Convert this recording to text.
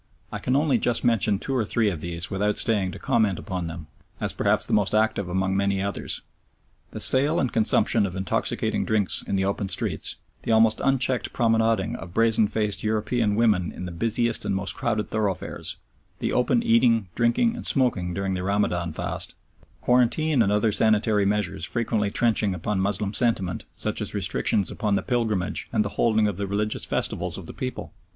I can only just mention two or three of these without staying to comment upon them, as perhaps the most active among many others. The sale and consumption of intoxicating drinks in the open streets, the almost unchecked promenading of brazen faced European women in the busiest and most crowded thoroughfares; the open eating, drinking, and smoking during the Ramadan fast; quarantine and other sanitary measures frequently trenching upon Moslem sentiment, such as restrictions upon the pilgrimage and the holding of the religious festivals of the people.